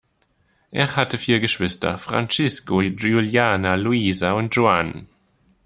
Er hatte vier Geschwister: Francisco, Juliana, Luisa und Juan.